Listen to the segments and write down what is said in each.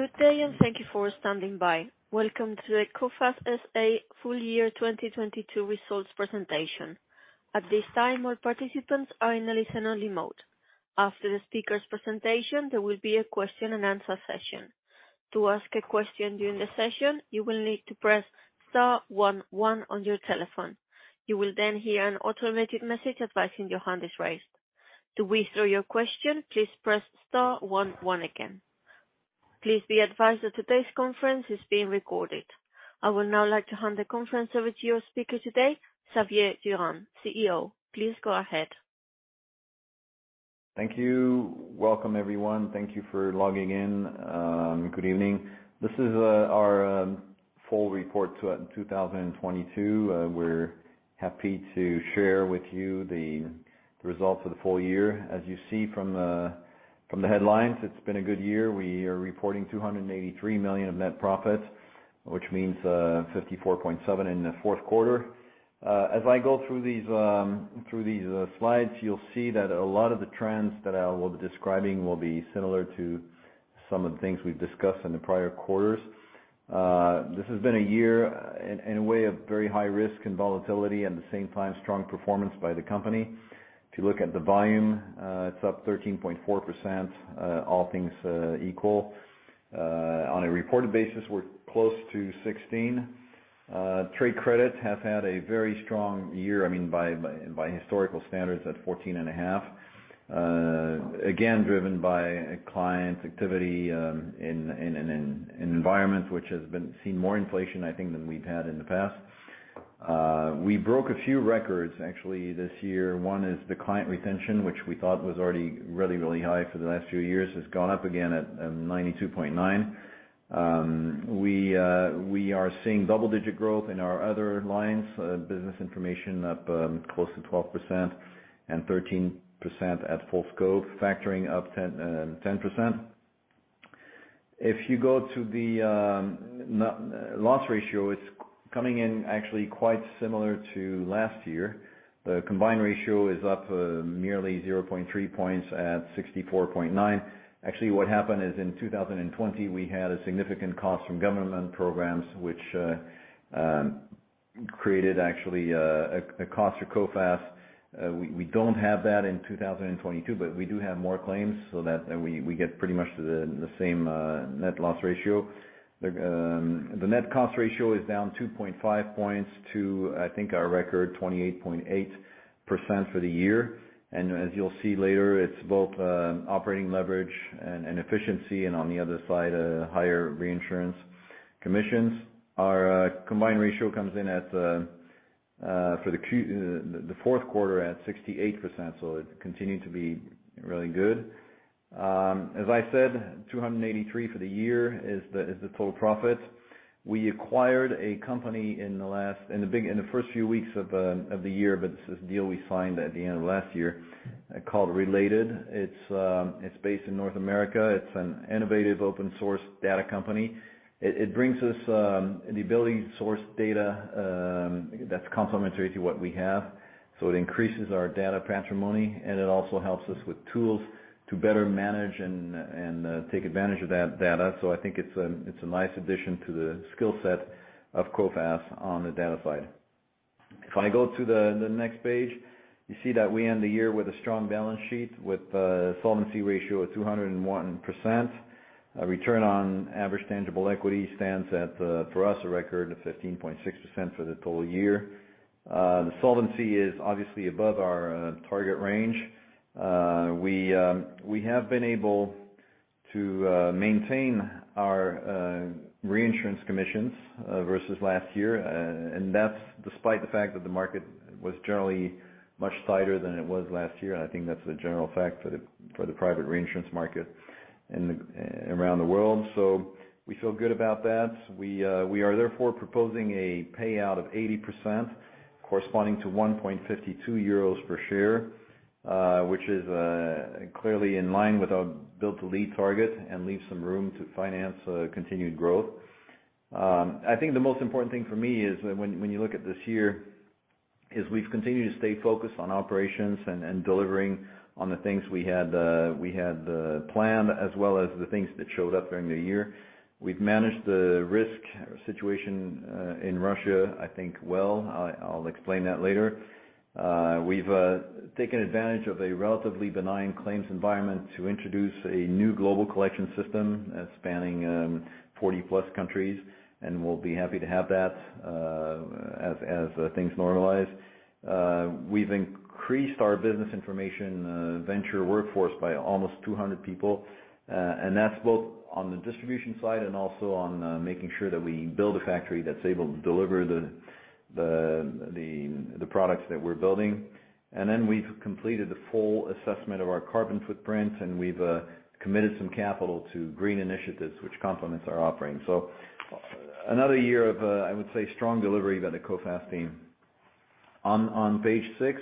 Good day, and thank you for standing by. Welcome to the Coface SA Full Year 2022 Results Presentation. At this time, all participants are in a listen-only mode. After the speaker's presentation, there will be a question-and-answer session. To ask a question during the session, you will need to press star one one on your telephone. You will then hear an automated message advising your hand is raised. To withdraw your question, please press star one one again. Please be advised that today's conference is being recorded. I would now like to hand the conference over to your speaker today, Xavier Durand, CEO. Please go ahead. Thank you. Welcome, everyone. Thank you for logging in. Good evening. This is our full report in 2022. We're happy to share with you the results of the full year. As you see from the headlines, it's been a good year. We are reporting 283 million of net profits, which means 54.7 in the fourth quarter. As I go through these slides, you'll see that a lot of the trends that I will be describing will be similar to some of the things we've discussed in the prior quarters. This has been a year in a way of very high risk and volatility, at the same time strong performance by the company. If you look at the volume, it's up 13.4%, all things equal. On a reported basis, we're close to 16%. Trade credits have had a very strong year, I mean by historical standards at 14.5%. Again, driven by client activity, in an environment which has been seen more inflation, I think, than we've had in the past. We broke a few records actually this year. One is the client retention, which we thought was already really, really high for the last few years, has gone up again at 92.9%. We are seeing double-digit growth in our other lines, business information up, close to 12% and 13% at full scope, factoring up 10%. If you go to the loss ratio, it's coming in actually quite similar to last year. The combined ratio is up merely 0.3 points at 64.9. Actually, what happened is in 2020, we had a significant cost from government programs, which created actually a cost for Coface. We don't have that in 2022, but we do have more claims, so that we get pretty much the same net loss ratio. The net cost ratio is down 2.5 points to, I think, our record 28.8% for the year. As you'll see later, it's both operating leverage and efficiency, and on the other side, higher reinsurance commissions. Our combined ratio comes in for the fourth quarter at 68%. It continued to be really good. As I said, 283 for the year is the total profit. We acquired a company in the last, in the first few weeks of the year, but it's this deal we signed at the end of last year, called Rel8ed. It's based in North America. It's an innovative open source data company. It brings us the ability to source data that's complementary to what we have. It increases our data patrimony, and it also helps us with tools to better manage and take advantage of that data. I think it's a nice addition to the skill set of Coface on the data side. If I go to the next page, you see that we end the year with a strong balance sheet, with a solvency ratio of 201%. A return on average tangible equity stands at for us, a record of 15.6% for the total year. The solvency is obviously above our target range. We have been able to maintain our reinsurance commissions versus last year. That's despite the fact that the market was generally much tighter than it was last year, and I think that's the general fact for the private reinsurance market around the world. We feel good about that. We are therefore proposing a payout of 80% corresponding to 1.52 euros per share, which is clearly in line with our Build to Lead target and leaves some room to finance continued growth. I think the most important thing for me is when you look at this year, we've continued to stay focused on operations and delivering on the things we had planned, as well as the things that showed up during the year. We've managed the risk situation in Russia, I think well. I'll explain that later. We've taken advantage of a relatively benign claims environment to introduce a new global collection system, spanning 40+ countries, and we'll be happy to have that as things normalize. We've increased our business information venture workforce by almost 200 people. That's both on the distribution side and also on making sure that we build a factory that's able to deliver the products that we're building. Then we've completed the full assessment of our carbon footprint, and we've committed some capital to green initiatives, which complements our offering. Another year of, I would say, strong delivery by the Coface team. On page six,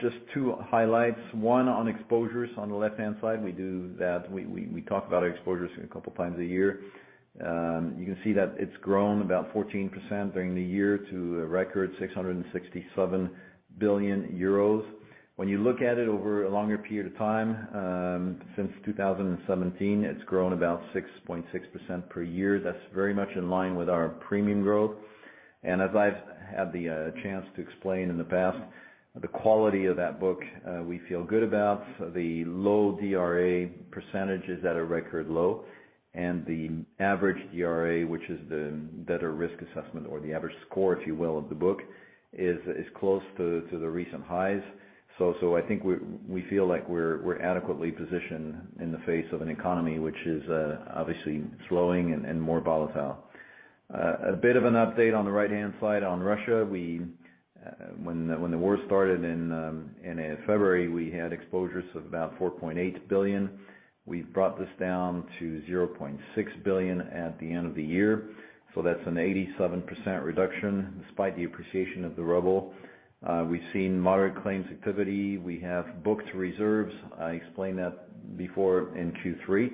just two highlights. One, on exposures on the left-hand side. We talk about our exposures a couple times a year. You can see that it's grown about 14% during the year to a record 667 billion euros. When you look at it over a longer period of time, since 2017, it's grown about 6.6% per year. That's very much in line with our premium growth. As I've had the chance to explain in the past, the quality of that book, we feel good about. The low DRA percentage is at a record low. The average DRA, which is the better risk assessment or the average score, if you will, of the book, is close to the recent highs. I think we feel like we're adequately positioned in the face of an economy which is obviously slowing and more volatile. A bit of an update on the right-hand side on Russia. When the war started in February, we had exposures of about 4.8 billion. We've brought this down to 0.6 billion at the end of the year. That's an 87% reduction despite the appreciation of the ruble. We've seen moderate claims activity. We have booked reserves. I explained that before in Q3.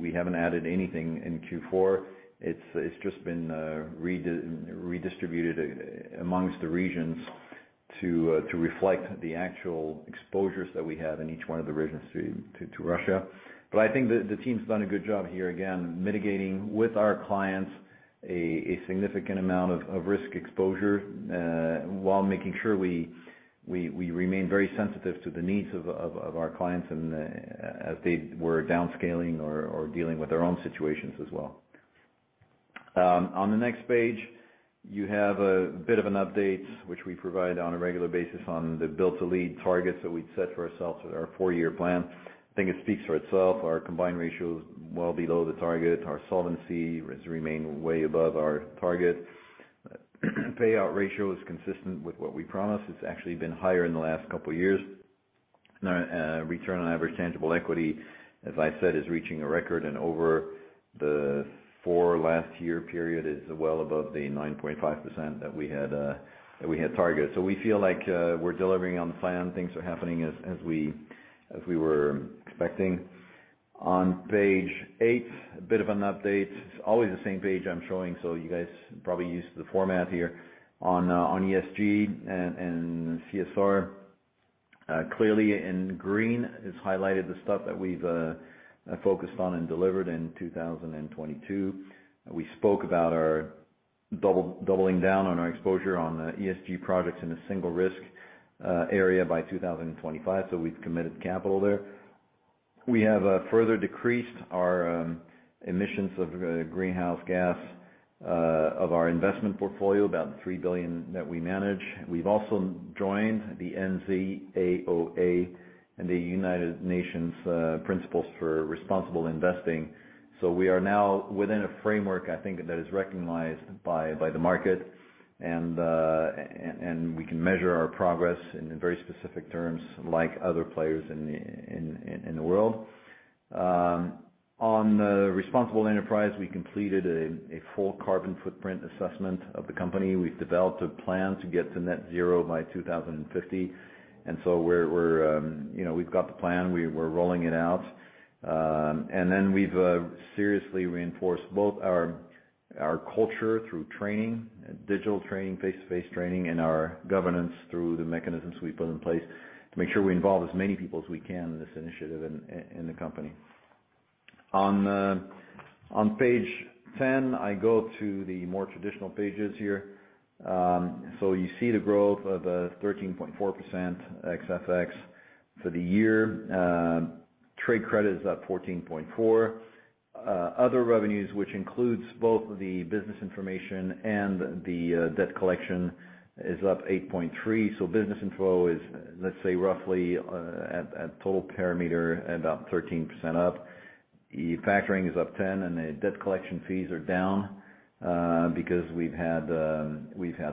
We haven't added anything in Q4. It's just been redistributed amongst the regions to reflect the actual exposures that we have in each one of the regions to Russia. I think the team's done a good job here, again, mitigating with our clients a significant amount of risk exposure while making sure we remain very sensitive to the needs of our clients and as they were downscaling or dealing with their own situations as well. On the next page, you have a bit of an update which we provide on a regular basis on the Build to Lead targets that we'd set for ourselves with our four-year plan. I think it speaks for itself. Our combined ratio is well below the target. Our solvency rates remain way above our target. Payout ratio is consistent with what we promised. It's actually been higher in the last couple of years. Our return on average tangible equity, as I said, is reaching a record and over the four last year period is well above the 9.5% that we had that we had targeted. We feel like we're delivering on the plan. Things are happening as we were expecting. On page eight, a bit of an update. It's always the same page I'm showing, so you guys are probably used to the format here on ESG and CSR. Clearly in green is highlighted the stuff that we've focused on and delivered in 2022. We spoke about our doubling down on our exposure on the ESG projects in a Single Risk area by 2025. We've committed capital there. We have further decreased our emissions of greenhouse gas of our investment portfolio, about 3 billion that we manage. We've also joined the NZAOA and the United Nations Principles for Responsible Investment. We are now within a framework, I think, that is recognized by the market. We can measure our progress in very specific terms like other players in the world. On the responsible enterprise, we completed a full carbon footprint assessment of the company. We've developed a plan to get to net zero by 2050. We're, you know, we've got the plan, we're rolling it out. We've seriously reinforced both our culture through training, digital training, face-to-face training, and our governance through the mechanisms we put in place to make sure we involve as many people as we can in this initiative in the company. On page 10, I go to the more traditional pages here. You see the growth of 13.4% ex FX for the year. Trade credit is up 14.4%. Other revenues, which includes both the business information and the debt collection, is up 8.3%. Business info is, let's say, roughly, at total parameter, about 13% up. The factoring is up 10%, and the debt collection fees are down because we've had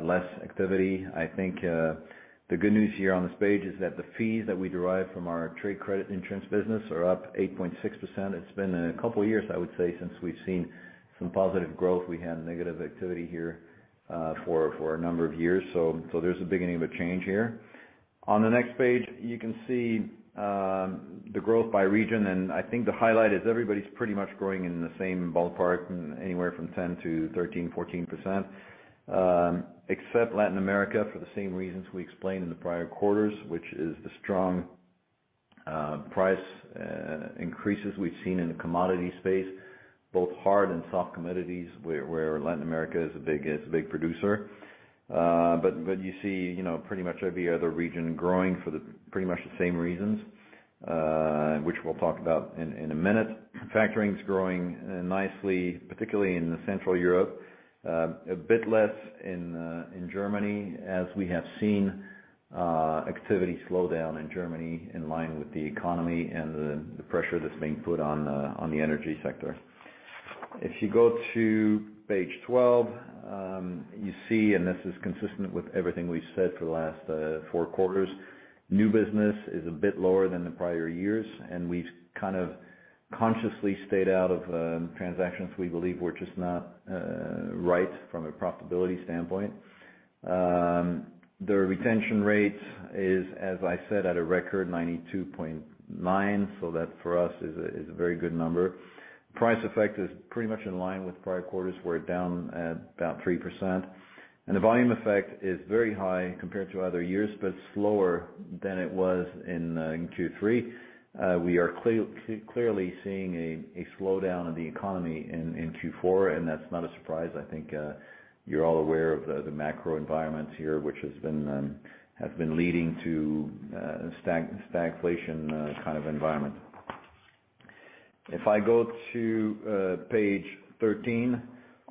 less activity. I think the good news here on this page is that the fees that we derive from our trade credit insurance business are up 8.6%. It's been a couple of years, I would say, since we've seen some positive growth. We had negative activity here for a number of years. There's a beginning of a change here. On the next page, you can see the growth by region. I think the highlight is everybody's pretty much growing in the same ballpark, anywhere from 10%-13%, 14% except Latin America for the same reasons we explained in the prior quarters, which is the strong price increases we've seen in the commodity space, both hard and soft commodities, where Latin America is a big producer. You see, you know, pretty much every other region growing for the pretty much the same reasons, which we'll talk about in a minute. Factoring is growing nicely, particularly in Central Europe. A bit less in Germany, as we have seen activity slow down in Germany in line with the economy and the pressure that's being put on the energy sector. If you go to page 12, you see, and this is consistent with everything we've said for the last four quarters, new business is a bit lower than the prior years, and we've kind of consciously stayed out of transactions we believe were just not right from a profitability standpoint. The retention rate is, as I said, at a record 92.9%. That for us is a very good number. Price effect is pretty much in line with prior quarters. We're down at about 3%. The volume effect is very high compared to other years, but slower than it was in Q3. We are clearly seeing a slowdown in the economy in Q4, and that's not a surprise. I think, you're all aware of the macro environment here, which has been leading to stagflation kind of environment. If I go to page 13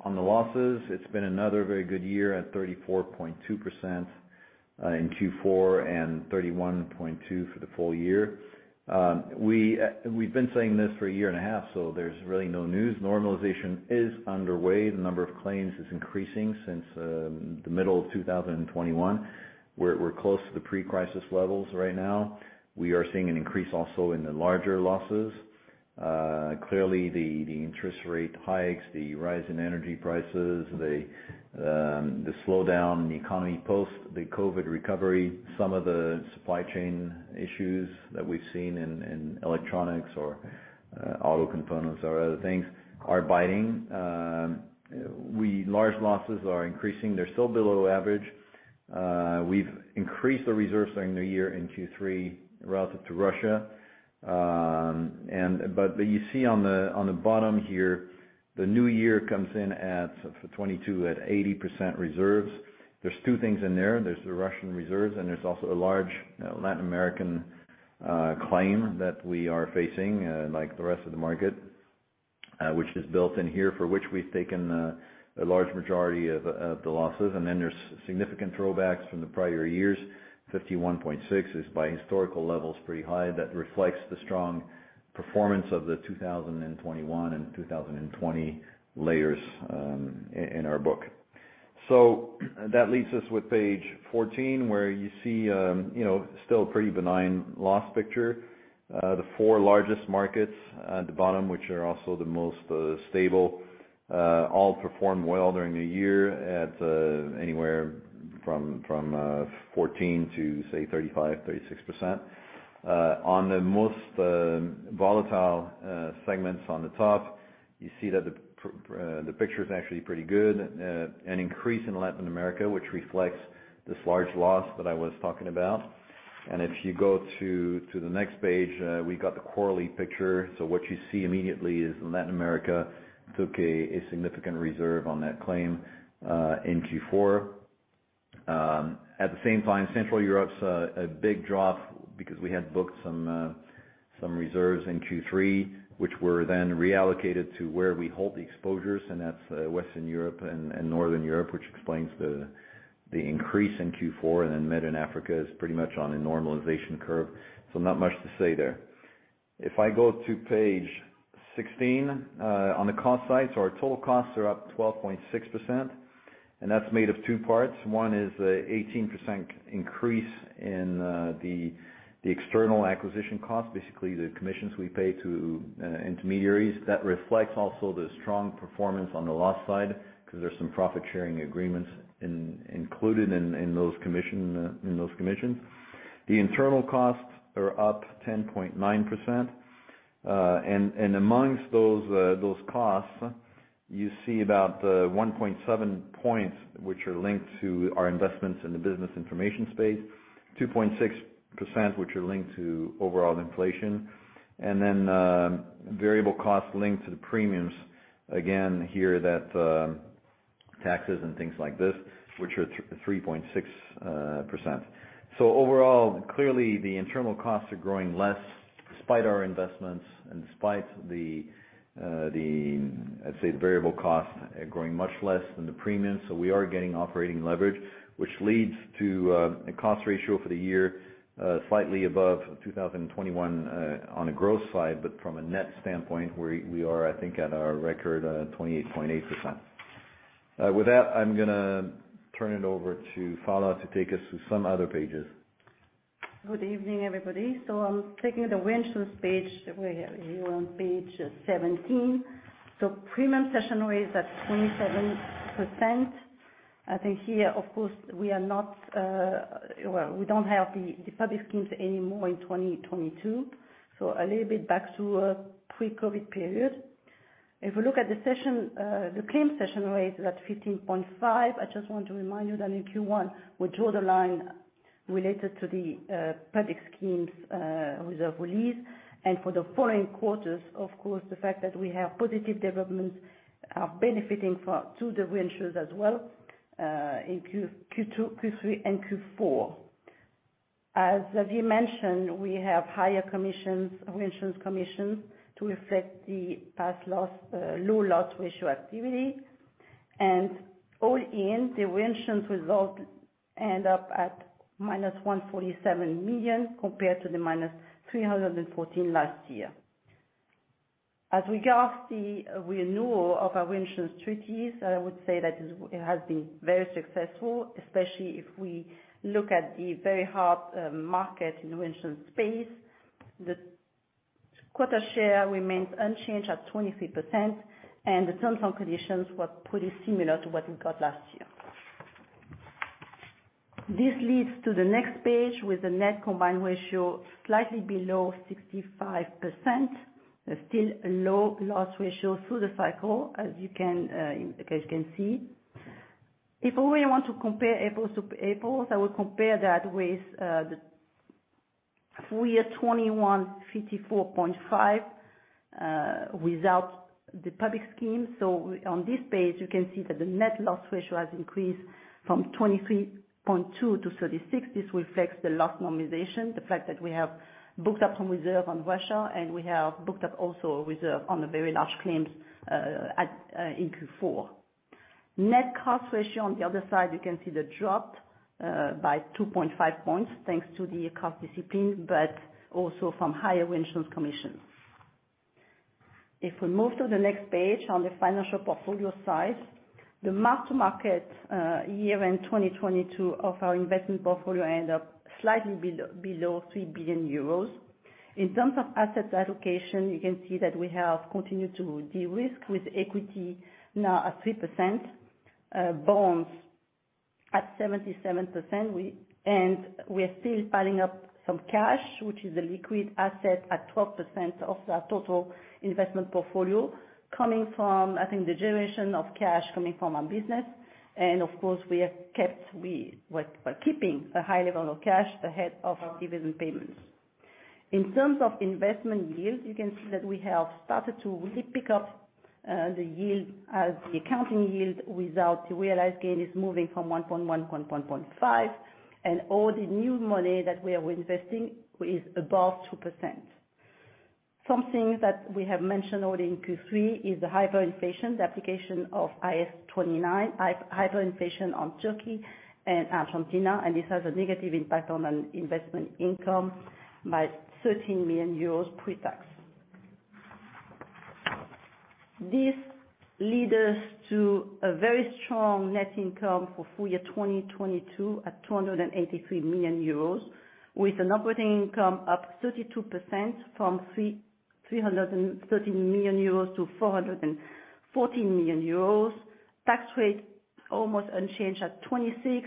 on the losses, it's been another very good year at 34.2% in Q4 and 31.2 for the full year. We've been saying this for a year and a half, there's really no news. Normalization is underway. The number of claims is increasing since the middle of 2021. We're close to the pre-crisis levels right now. We are seeing an increase also in the larger losses. Clearly the interest rate hikes, the rise in energy prices, the slowdown in the economy post the COVID recovery, some of the supply chain issues that we've seen in electronics or auto components or other things are biting. Large losses are increasing. They're still below average. We've increased the reserves during the year in Q3 relative to Russia. You see on the bottom here, the new year comes in at, for 2022, at 80% reserves. There's two things in there. There's the Russian reserves, there's also a large Latin American claim that we are facing, like the rest of the market, which is built in here, for which we've taken a large majority of the losses. There's significant throwbacks from the prior years. 51.6% is by historical levels pretty high. That reflects the strong performance of the 2021 and 2020 layers in our book. That leads us with page 14, where you see, you know, still pretty benign loss picture. The four largest markets at the bottom, which are also the most stable, all performed well during the year at anywhere from 14% to, say, 35%-36%. On the most volatile segments on the top, you see that the picture is actually pretty good. An increase in Latin America, which reflects this large loss that I was talking about. If you go to the next page, we got the quarterly picture. What you see immediately is Latin America took a significant reserve on that claim in Q4. At the same time, Central Europe's a big drop because we had booked some reserves in Q3, which were then reallocated to where we hold the exposures, and that's Western Europe and Northern Europe, which explains the increase in Q4. Middle and Africa is pretty much on a normalization curve. Not much to say there. If I go to page 16, on the cost side, our total costs are up 12.6%, and that's made of two parts. One is an 18% increase in the external acquisition cost, basically the commissions we pay to intermediaries. That reflects also the strong performance on the loss side because there's some profit-sharing agreements included in those commissions. The internal costs are up 10.9%. Amongst those costs, you see about 1.7 points which are linked to our investments in the business information space, 2.6% which are linked to overall inflation, and then variable costs linked to the premiums, again, here that taxes and things like this, which are 3.6%. Overall, clearly the internal costs are growing less despite our investments and despite the, I'd say, the variable costs growing much less than the premiums. We are getting operating leverage, which leads to a cost ratio for the year, slightly above 2021, on a growth side. From a net standpoint, we're, we are, I think, at our record, 28.8%. With that, I'm gonna turn it over to Phalla to take us through some other pages. Good evening, everybody. I'm taking the reinsurance page. We're here on page 17. Premium session rate is at 27%. I think here, of course, we are not, we don't have the public schemes anymore in 2022, a little bit back to a pre-COVID period. If we look at the session, the claim session rate is at 15.5%. I just want to remind you that in Q1, we drew the line related to the public schemes, reserve release. For the following quarters, of course, the fact that we have positive developments are benefiting for, to the reinsurers as well, in Q2, Q3 and Q4. As Xavier mentioned, we have higher commissions, reinsurance commissions, to reflect the past loss, low loss ratio activity. All in, the reinsurance result end up at -147 million, compared to -314 last year. As regards the renewal of our reinsurance treaties, I would say that it has been very successful, especially if we look at the very hard market in reinsurance space. The quota share remains unchanged at 23%, the terms and conditions were pretty similar to what we got last year. This leads to the next page with the net combined ratio slightly below 65%. Still a low loss ratio through the cycle, as you can see. If we want to compare apples to apples, I would compare that with the full year 2021, 54.5%, without the public scheme. On this page, you can see that the net loss ratio has increased from 23.2 to 36. This reflects the last normalization, the fact that we have booked up some reserve on Russia, and we have booked up also a reserve on a very large claim, at, in Q4. Net cost ratio on the other side, you can see the drop by 2.5 points, thanks to the cost discipline but also from higher insurance commission. We move to the next page on the financial portfolio side, the mark to market, year-end 2022 of our investment portfolio end up slightly below 3 billion euros. In terms of assets allocation, you can see that we have continued to de-risk with equity now at 3%, bonds at 77%. We are still piling up some cash, which is a liquid asset at 12% of our total investment portfolio. Coming from, I think, the generation of cash coming from our business, and of course we're keeping a high level of cash ahead of our dividend payments. In terms of investment yield, you can see that we have started to really pick up the yield as the accounting yield without the realized gain is moving from 1.1%-1.5%. All the new money that we are investing is above 2%. Something that we have mentioned already in Q3 is the hyperinflation, the application of IAS 29, hyperinflation on Turkey and Argentina, and this has a negative impact on our investment income by 13 million euros pre-tax. This led us to a very strong net income for full year 2022 at 283 million euros with an operating income up 32% from 330 million-440 million euros. Tax rate almost unchanged at 26%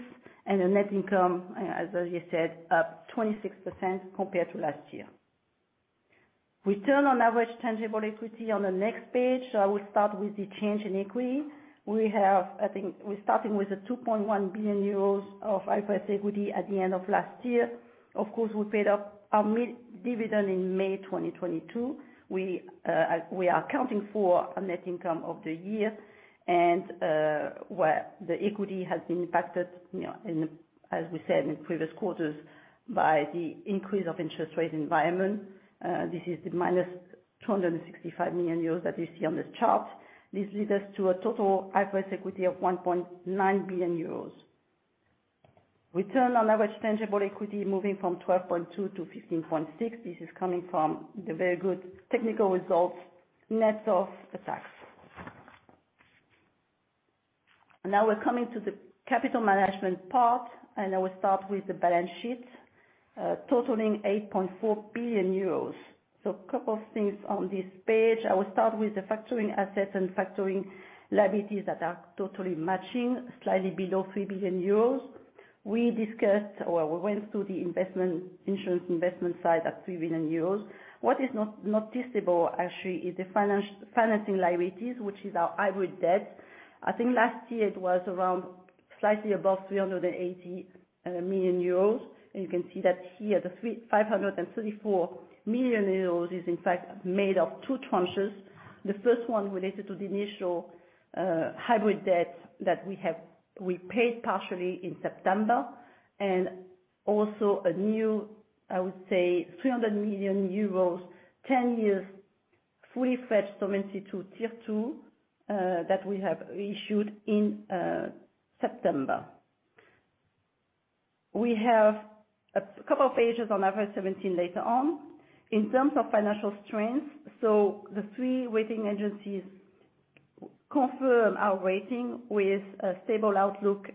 and a net income, as Xavier said, up 26% compared to last year. Return on average tangible equity on the next page. I will start with the change in equity. I think we're starting with a 2.1 billion euros of IFRS equity at the end of last year. Of course, we paid up our mid dividend in May 2022. We are accounting for a net income of the year and where the equity has been impacted, you know, in the, as we said in previous quarters, by the increase of interest rate environment, this is the minus 265 million euros that you see on this chart. This leads us to a total IFRS equity of 1.9 billion euros. Return on average tangible equity moving from 12.2% to 15.6%. This is coming from the very good technical results net of the tax. We're coming to the capital management part, I will start with the balance sheet, totaling 8.4 billion euros. A couple of things on this page. I will start with the factoring assets and factoring liabilities that are totally matching, slightly below 3 billion euros. We discussed or we went through the investment, insurance investment side at 3 billion euros. What is not noticeable actually is the financing liabilities, which is our hybrid debt. I think last year it was around slightly above 380 million euros. You can see that here, the 534 million euros is in fact made of two tranches. The first one related to the initial hybrid debt that we have repaid partially in September. Also a new, I would say, 300 million euros 10 years fully fetched Solvency II Tier 2 that we have reissued in September. We have a couple of pages on IFRS 17 later on. In terms of financial strength, the three rating agencies confirm our rating with a stable outlook,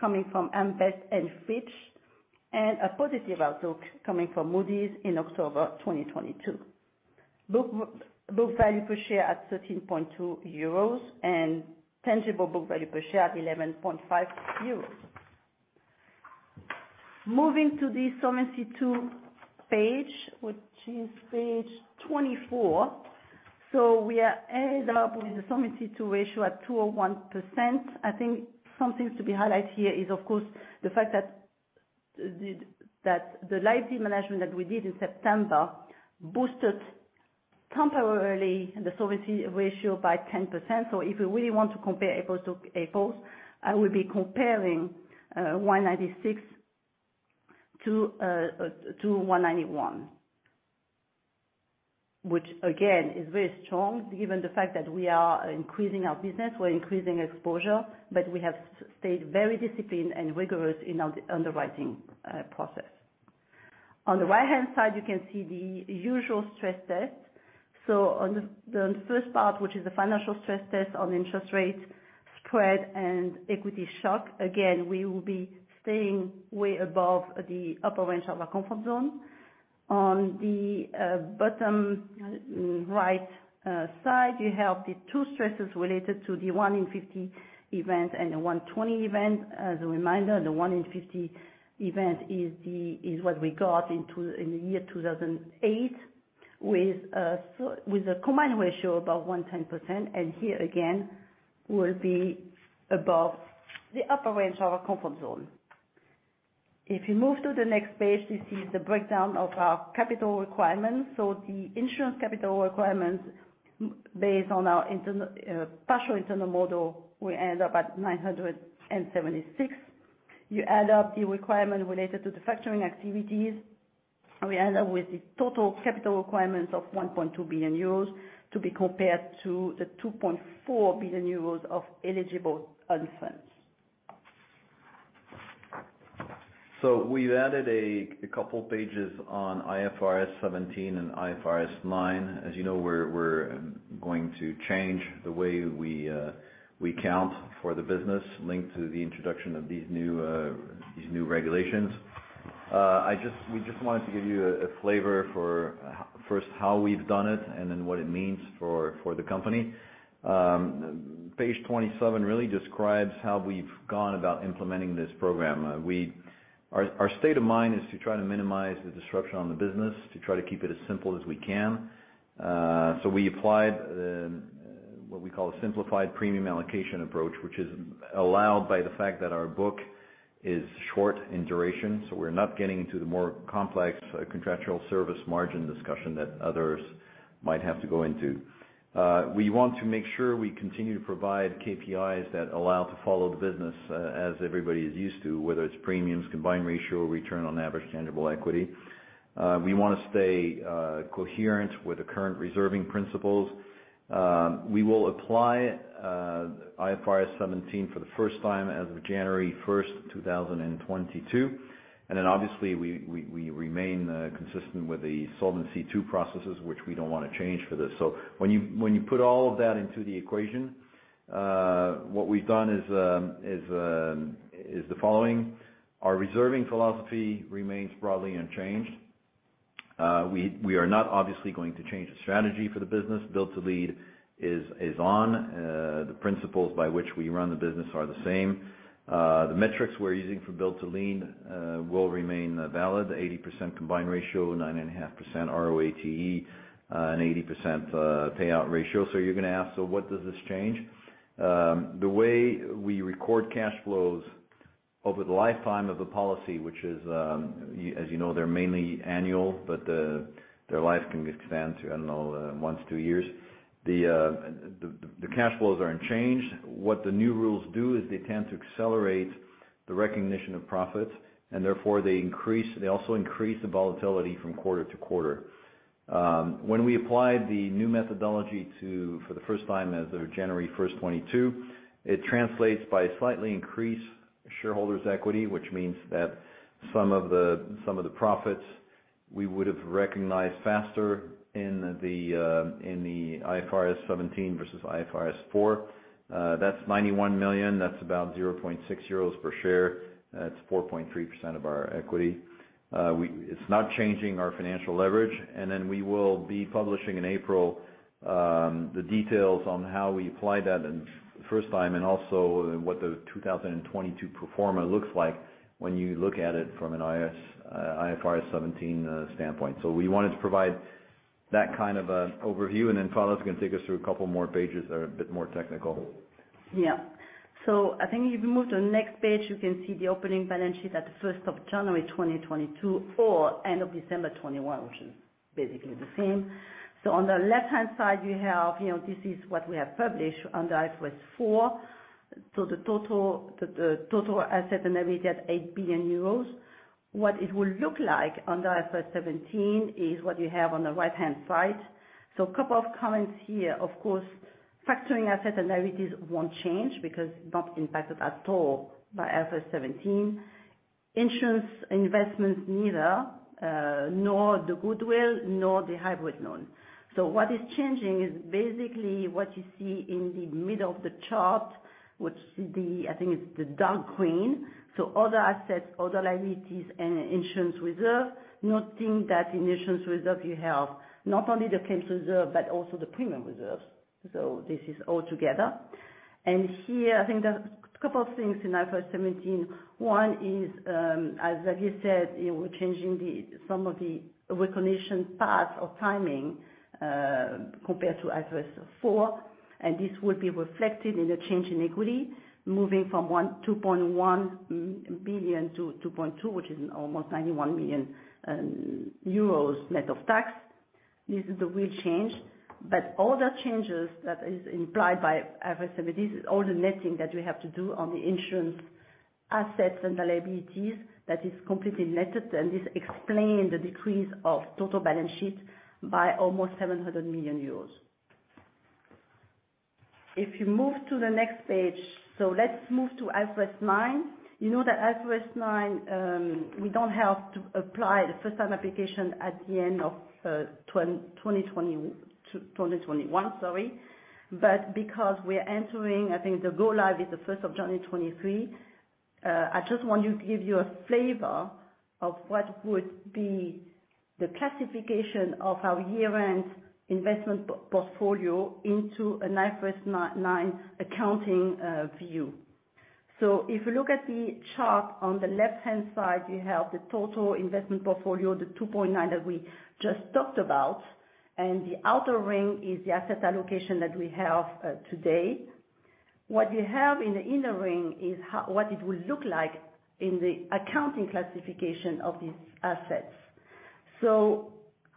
coming from AM Best and Fitch, and a positive outlook coming from Moody's in October 2022. Book value per share at 13.2 euros and tangible book value per share at 11.5 euros. Moving to the Solvency II page, which is page 24. We are end up with the Solvency II ratio at 201%. I think some things to be highlighted here is of course, the fact that the liability management that we did in September boosted temporarily the solvency ratio by 10%. If you really want to compare apples to apples, I will be comparing 196 to 191, which again, is very strong given the fact that we are increasing our business, we're increasing exposure, but we have stayed very disciplined and rigorous in our underwriting process. On the right-hand side, you can see the usual stress test. On the first part, which is the financial stress test on interest rates, spread and equity shock. Again, we will be staying way above the upper range of our comfort zone. On the bottom right side, you have the two stresses related to the one in 50 event and the one in 20 event. As a reminder, the one in 50 event is what we got in the year 2008 with a combined ratio above 110%. Here again, we'll be above the upper range of our comfort zone. If you move to the next page, you see the breakdown of our capital requirements. The insurance capital requirements based on our partial internal model will end up at 976. You add up the requirement related to the factoring activities, we end up with the total capital requirements of 1.2 billion euros to be compared to the 2.4 billion euros of eligible funds. We've added a couple pages on IFRS 17 and IFRS 9. As you know, we're going to change the way we count for the business linked to the introduction of these new regulations. We just wanted to give you a flavor for first, how we've done it, and then what it means for the company. Page 27 really describes how we've gone about implementing this program. Our state of mind is to try to minimize the disruption on the business, to try to keep it as simple as we can. We applied what we call a simplified Premium Allocation Approach, which is allowed by the fact that our book is short in duration. We're not getting into the more complex Contractual Service Margin discussion that others might have to go into. We want to make sure we continue to provide KPIs that allow to follow the business as everybody is used to, whether it's premiums, combined ratio, return on average tangible equity. We wanna stay coherent with the current reserving principles. We will apply IFRS 17 for the first time as of January 1, 2022. Obviously we remain consistent with the Solvency II processes, which we don't wanna change for this. When you put all of that into the equation, what we've done is the following. Our reserving philosophy remains broadly unchanged. We are not obviously going to change the strategy for the business. Built to Lead is on. The principles by which we run the business are the same. The metrics we're using for Built to Lead will remain valid. 80% combined ratio, 9.5% ROATE, and 80% payout ratio. You're gonna ask, "So what does this change?" The way we record cash flows over the lifetime of a policy, which is, as you know, they're mainly annual, but their life can expand to, I don't know, one to two years. The cash flows are unchanged. What the new rules do is they tend to accelerate the recognition of profits, and therefore they also increase the volatility from quarter to quarter. When we applied the new methodology for the first time as of January 1, 2022, it translates by slightly increased shareholders equity, which means that some of the profits we would've recognized faster in the IFRS 17 versus IFRS 4. That's 91 million. That's about 0.6 euros per share. That's 4.3% of our equity. It's not changing our financial leverage. We will be publishing in April the details on how we apply that in first time, and also what the 2022 pro forma looks like when you look at it from an IFRS 17 standpoint. We wanted to provide that kind of a overview, and then Phalla is gonna take us through a couple more pages that are a bit more technical. I think if you move to the next page, you can see the opening balance sheet at the first of January 2022 or end of December 2021, which is basically the same. On the left-hand side you have, you know, this is what we have published under IFRS 4. The total, the total asset and liability, 8 billion euros. What it will look like under IFRS 17 is what you have on the right-hand side. A couple of comments here, of course, factoring asset and liabilities won't change because not impacted at all by IFRS 17. Insurance investments neither, nor the goodwill, nor the hybrid loan. What is changing is basically what you see in the middle of the chart, which is the, I think it's the dark green. other assets, other liabilities and insurance reserve, noting that in insurance reserve you have not only the claims reserve but also the premium reserves. This is all together. Here, I think there are a couple of things in IFRS 17. One is, as Xavier said, you know, we're changing the some of the recognition path or timing compared to IFRS 4, and this will be reflected in the change in equity, moving from 2.1 billion to 2.2 billion, which is almost 91 million euros net of tax. This is the real change. All the changes that is implied by IFRS 17, all the netting that we have to do on the insurance assets and liabilities, that is completely netted, and this explain the decrease of total balance sheet by almost 700 million euros. You move to the next page. Let's move to IFRS 9. You know that IFRS 9, we don't have to apply the first time application at the end of 2021, sorry. Because we're entering, I think the go live is the 1st of January 2023. I just want to give you a flavor of what would be the classification of our year-end investment portfolio into an IFRS 9 accounting view. If you look at the chart on the left-hand side, you have the total investment portfolio, the 2.9 that we just talked about, and the outer ring is the asset allocation that we have today. What you have in the inner ring is what it will look like in the accounting classification of these assets.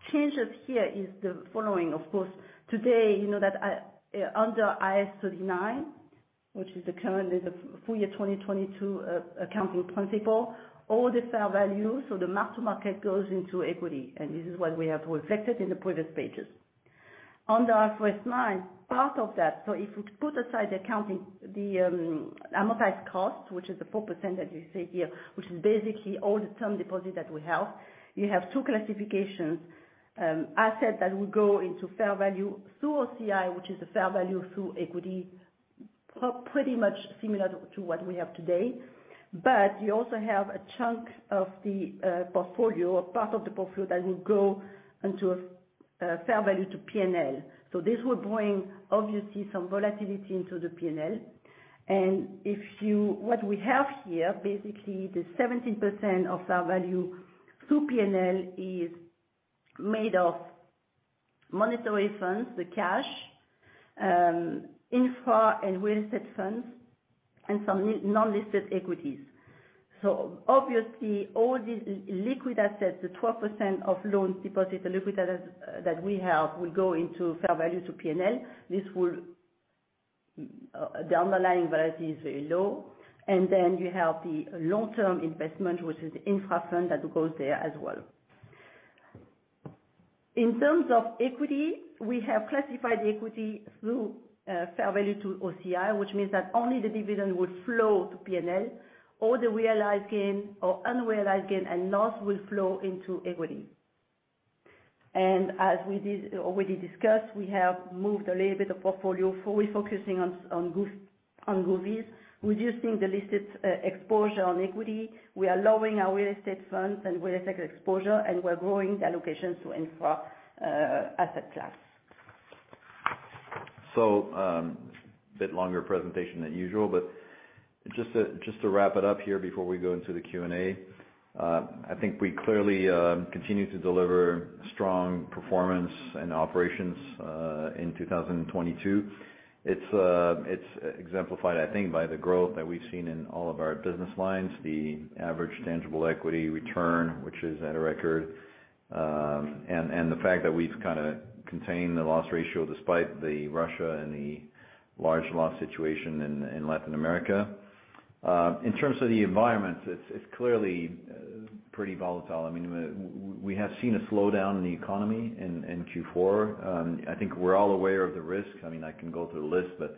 Changes here is the following, of course, today you know that under IAS 39, which is the currently the full year 2022 accounting principle, all the fair value, so the mark-to-market goes into equity, and this is what we have reflected in the previous pages. Under IFRS 9, part of that, so if we put aside the accounting, the amortized cost, which is the 4% that you see here, which is basically all the term deposit that we have. You have two classifications, asset that will go into fair value through OCI, which is a fair value through equity, pretty much similar to what we have today. You also have a chunk of the portfolio, a part of the portfolio that will go into a fair value to P&L. This will bring, obviously, some volatility into the P&L. If what we have here, basically the 17% of fair value through P&L is made of monetary funds, the cash, infra and real estate funds, and some non-listed equities. Obviously all these liquid assets, the 12% of loans deposits and liquid assets that we have will go into fair value to P&L. The underlying value is very low. You have the long-term investment, which is the infra fund that goes there as well. In terms of equity, we have classified the equity through fair value to OCI, which means that only the dividend will flow to P&L, or the realized gain or unrealized gain and loss will flow into equity. As we already discussed, we have moved a little bit of portfolio fully focusing on govies, reducing the listed exposure on equity. We are lowering our real estate funds and real estate exposure and we're growing the allocation to infra asset class. A bit longer presentation than usual, but just to wrap it up here before we go into the Q&A. I think we clearly continue to deliver strong performance and operations in 2022. It's exemplified, I think, by the growth that we've seen in all of our business lines, the average tangible equity return, which is at a record. The fact that we've kinda contained the loss ratio despite the Russia and the large loss situation in Latin America. In terms of the environment, it's clearly pretty volatile. I mean, we have seen a slowdown in the economy in Q4. I think we're all aware of the risks. I mean, I can go through the list, but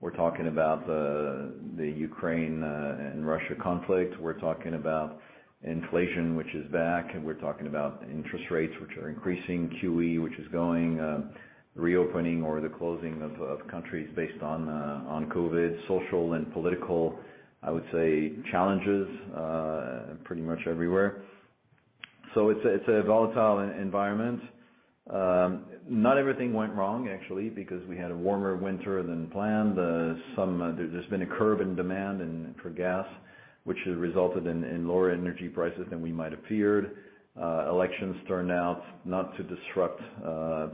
we're talking about the Ukraine and Russia conflict. We're talking about inflation, which is back. We're talking about interest rates, which are increasing, QE, which is going, reopening or the closing of countries based on COVID. Social and political, I would say, challenges, pretty much everywhere. It's a, it's a volatile environment. Not everything went wrong actually, because we had a warmer winter than planned. Some, there's been a curve in demand and for gas, which has resulted in lower energy prices than we might have feared. Elections turned out not to disrupt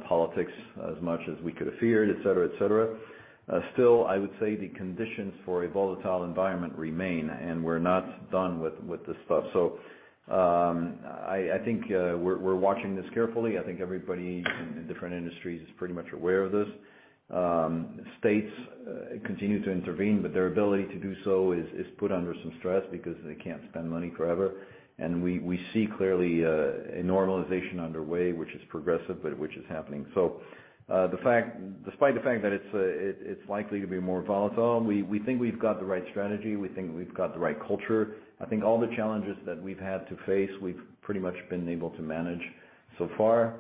politics as much as we could have feared, et cetera, et cetera. Still, I would say the conditions for a volatile environment remain, and we're not done with this stuff. I think, we're watching this carefully. I think everybody in different industries is pretty much aware of this. States continue to intervene, but their ability to do so is put under some stress because they can't spend money forever. We see clearly a normalization underway, which is progressive, but which is happening. Despite the fact that it's likely to be more volatile, we think we've got the right strategy. We think we've got the right culture. I think all the challenges that we've had to face, we've pretty much been able to manage so far.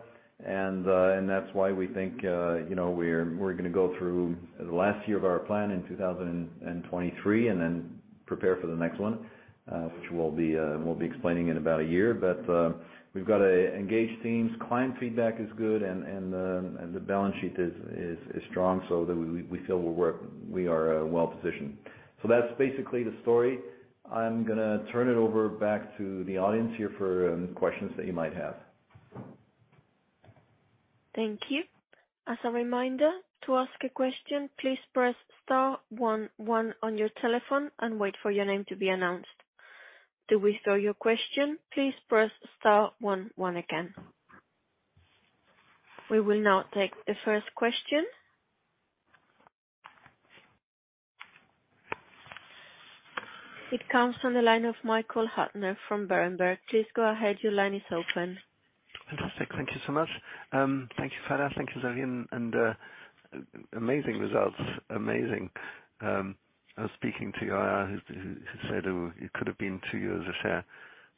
That's why we think, you know, we're gonna go through the last year of our plan in 2023 and then prepare for the next one, which we'll be explaining in about a year. We've got, engaged teams, client feedback is good and the balance sheet is strong, so that we feel we are, well-positioned. That's basically the story. I'm gonna turn it over back to the audience here for, questions that you might have. Thank you. As a reminder, to ask a question, please press star one one on your telephone and wait for your name to be announced. To withdraw your question, please press star one one again. We will now take the first question. It comes from the line of Michael Huttner from Berenberg. Please go ahead, your line is open. Fantastic. Thank you so much. Thank you, Phalla. Thank you, Xavier. Amazing results. Amazing. I was speaking to IR who said it could have been two years a share,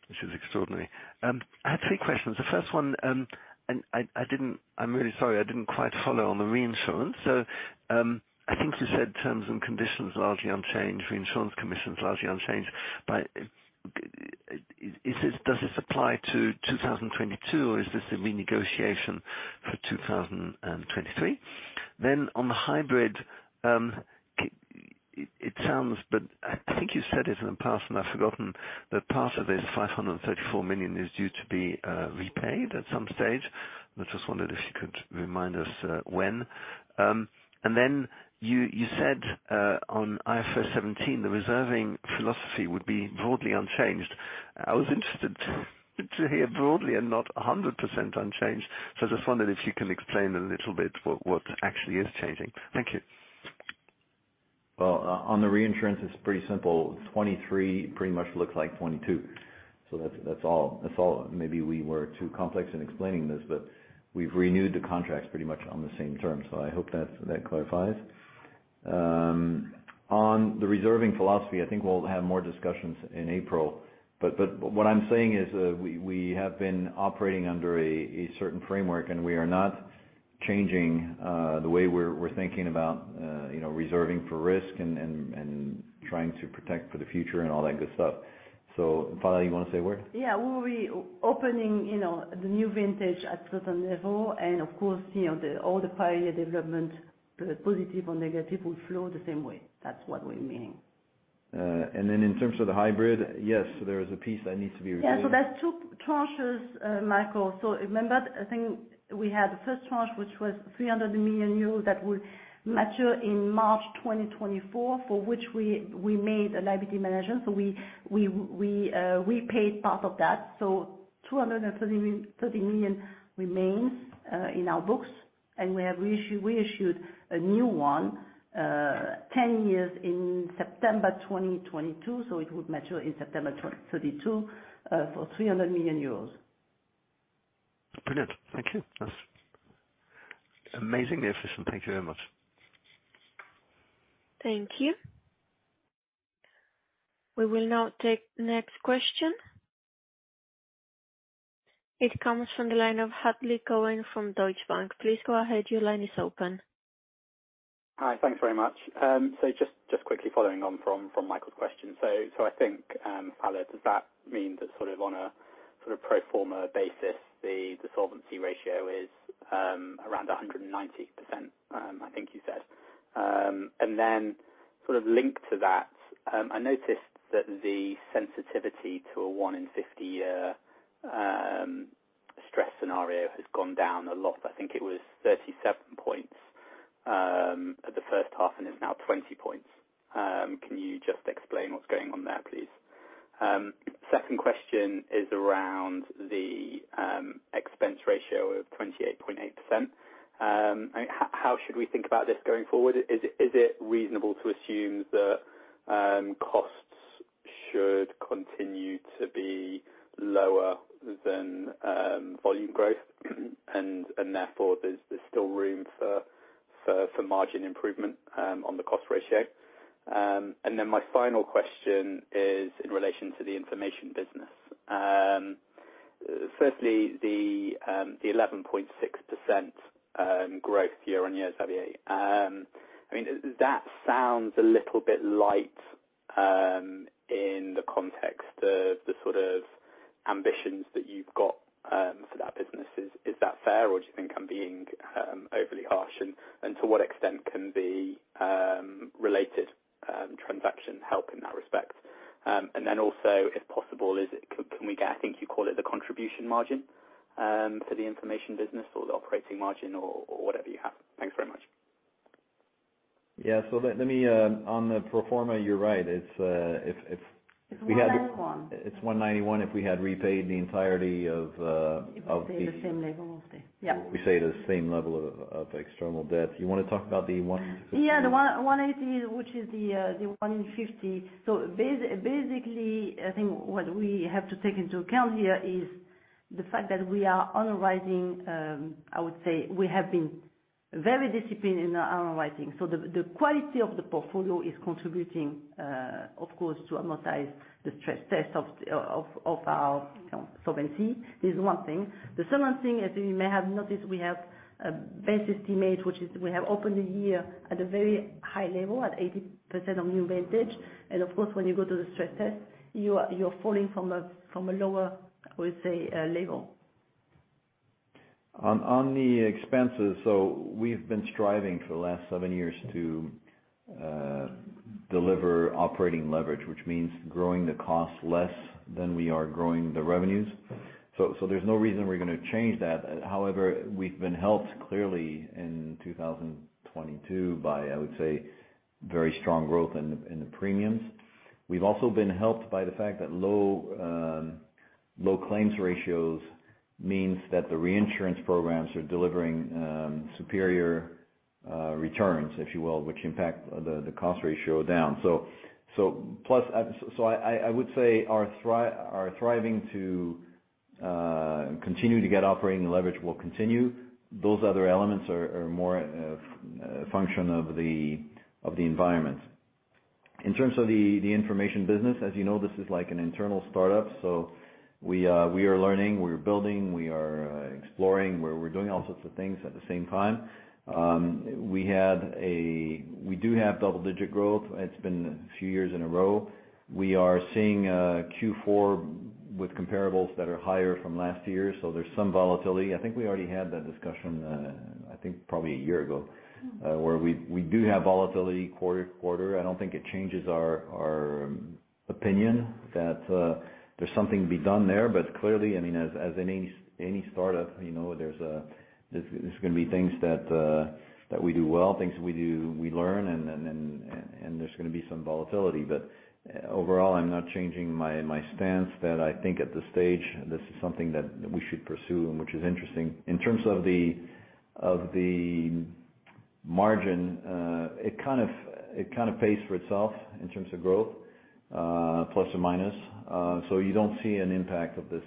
which is extraordinary. I had three questions. The first one, I'm really sorry, I didn't quite follow on the reinsurance. I think you said terms and conditions largely unchanged, reinsurance commissions largely unchanged. Does this apply to 2022, or is this a renegotiation for 2023? On the hybrid, it sounds, but I think you said it in the past, and I've forgotten, that part of this 534 million is due to be repaid at some stage. I just wondered if you could remind us when. And then you said on IFRS 17, the reserving philosophy would be broadly unchanged. I was interested to hear broadly and not 100% unchanged. I just wondered if you can explain a little bit what actually is changing. Thank you. On the reinsurance, it's pretty simple. 23 pretty much looks like 22. That's all. Maybe we were too complex in explaining this, we've renewed the contracts pretty much on the same terms. I hope that clarifies. On the reserving philosophy, I think we'll have more discussions in April. What I'm saying is, we have been operating under a certain framework, we are not changing the way we're thinking about, you know, reserving for risk and trying to protect for the future and all that good stuff. Phalla, you wanna say a word? Yeah. We'll be opening, you know, the new vintage at certain level. Of course, you know, all the prior year development, positive or negative, will flow the same way. That's what we mean. Then in terms of the hybrid, yes, there is a piece that needs to be repaid. That's two tranches, Michael. Remember, I think we had the first tranche, which was 300 million euros that would mature in March 2024, for which we made a liability management. We repaid part of that. 230 million remains in our books, and we have reissued a new one, 10 years in September 2022, so it would mature in September 2032, for 300 million euros. Brilliant. Thank you. That's amazingly efficient. Thank you very much. Thank you. We will now take next question. It comes from the line of Hadley Cohen from Deutsche Bank. Please go ahead. Your line is open. Hi. Thanks very much. Quickly following on from Michael's question. I think, Phalla, does that mean that on a pro forma basis, the solvency ratio is around 190%, I think you said. Linked to that, I noticed that the sensitivity to a one in 50 year stress scenario has gone down a lot. I think it was 37 points at the first half, and it's now 20 points. Can you just explain what's going on there, please? Second question is around the expense ratio of 28.8%. How should we think about this going forward? Is it reasonable to assume that costs should continue to be lower than volume growth? Therefore, there's still room for margin improvement on the cost ratio. My final question is in relation to the information business. Firstly, the 11.6% growth year-on-year, Xavier. I mean, that sounds a little bit light in the context of the sort of ambitions that you've got for that business. Is that fair, or do you think I'm being overly harsh? And to what extent can the Rel8ed transaction help in that respect? And also, if possible, can we get, I think you call it the contribution margin for the information business or the operating margin or whatever you have? Thanks very much. Yeah. Let me. On the pro forma, you're right. It's, if we had- It's 191. It's 191 if we had repaid the entirety. If we stay at the same level, we'll stay. Yeah. We stay at the same level of external debt. You wanna talk about the one fifty- Yeah. The 1, 180, which is the one in 50. Basically, I think what we have to take into account here is the fact that we are underwriting. I would say we have been very disciplined in our underwriting. The quality of the portfolio is contributing, of course, to amortize the stress test of our, you know, solvency is one thing. The second thing is, you may have noticed we have base estimate, which is we have opened the year at a very high level, at 80% of new vintage. Of course, when you go to the stress test, you are, you're falling from a lower, I would say, level. On the expenses, we've been striving for the last seven years to deliver operating leverage, which means growing the cost less than we are growing the revenues. There's no reason we're gonna change that. However, we've been helped clearly in 2022 by, I would say, very strong growth in the premiums. We've also been helped by the fact that low, low claims ratios means that the reinsurance programs are delivering superior returns, if you will, which impact the cost ratio down. Plus, so I would say our thriving to continue to get operating leverage will continue. Those other elements are more function of the environment. In terms of the information business, as you know, this is like an internal startup. We are learning, we're building, we are exploring. We're doing all sorts of things at the same time. We do have double-digit growth. It's been a few years in a row. We are seeing Q4 with comparables that are higher from last year. There's some volatility. I think we already had that discussion, I think probably a year ago. Where we do have volatility quarter to quarter. I don't think it changes our opinion that there's something to be done there. Clearly, I mean, as any startup, you know, there's there's gonna be things that we do well, things that we do, we learn, and there's gonna be some volatility. Overall, I'm not changing my stance that I think at this stage, this is something that we should pursue and which is interesting. In terms of the margin, it kind of pays for itself in terms of growth, plus or minus. You don't see an impact of this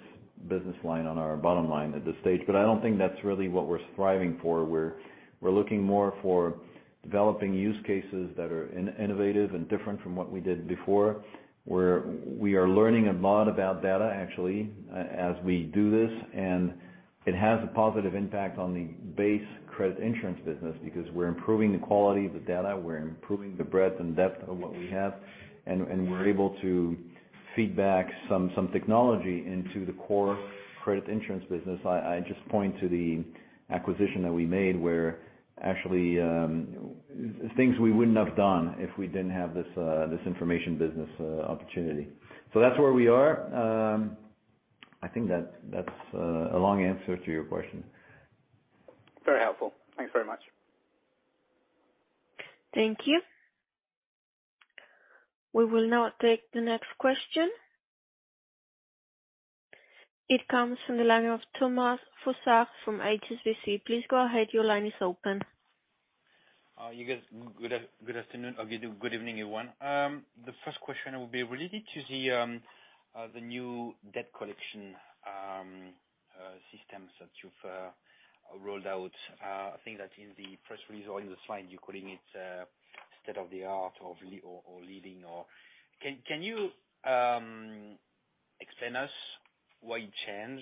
business line on our bottom line at this stage. I don't think that's really what we're striving for. We're looking more for developing use cases that are innovative and different from what we did before, where we are learning a lot about data actually, as we do this. It has a positive impact on the base credit insurance business because we're improving the quality of the data, we're improving the breadth and depth of what we have, and we're able to feed back some technology into the core credit insurance business. I just point to the acquisition that we made where actually, things we wouldn't have done if we didn't have this information business opportunity. That's where we are. I think that's a long answer to your question. Very helpful. Thanks very much. Thank you. We will now take the next question. It comes from the line of Thomas Fossard from HSBC. Please go ahead. Your line is open. You guys, good afternoon or good evening, everyone. The first question will be related to the new debt collection systems that you've rolled out. I think that in the press release or in the slide, you're calling it state-of-the-art or leading or... Can you explain us why you change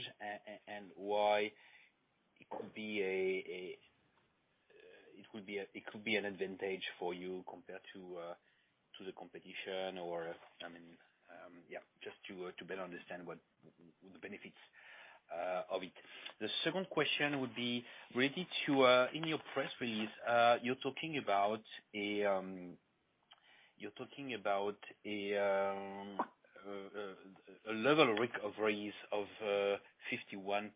and why it could be an advantage for you compared to the competition or, I mean, yeah? Just to better understand what the benefits of it. The second question would be related to, in your press release, you're talking about a level recoveries of 51.6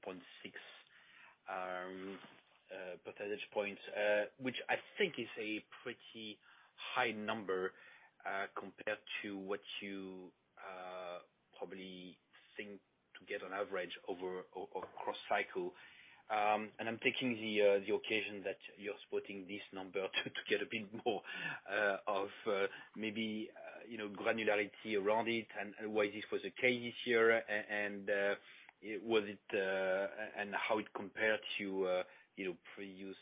percentage points, which I think is a pretty high number, compared to what you probably think to get on average over or cross cycle. I'm taking the occasion that you're spotting this number to get a bit more of, maybe, you know, granularity around it and why this was the case this year, and was it? How it compared to, you know, previous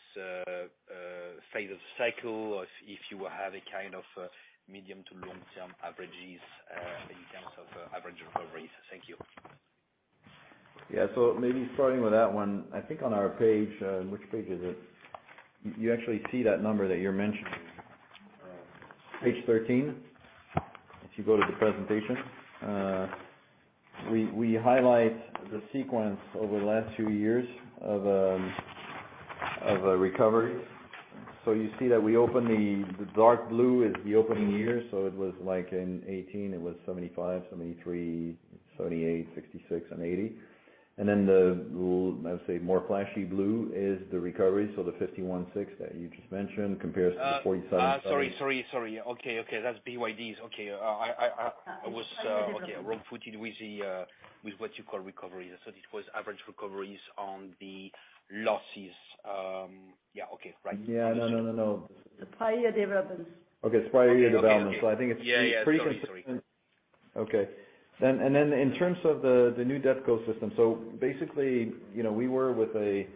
phase of cycle or if you have a kind of medium to long-term averages in terms of average recoveries. Thank you. Yeah. Maybe starting with that one, I think on our page, which page is it? You actually see that number that you're mentioning. Page 13, if you go to the presentation. We highlight the sequence over the last two years of a recovery. You see that we open the... The dark blue is the opening year. It was like in 2018, it was 75, 73, 78, 66, and 80. Then the, I would say, more flashy blue is the recovery, so the 51.6 that you just mentioned compares to the 47- Sorry, sorry. Okay, okay. That's BYDs. Okay. I was, okay, wrong footed with what you call recoveries. This was average recoveries on the losses. Yeah, okay. Right. Yeah. No, no, no. The prior year developments. Okay. It's prior year developments. Okay, okay. I think it's pretty consistent. Yeah, yeah. Sorry. Sorry. Okay. In terms of the new debt code system. Basically, you know, we were with a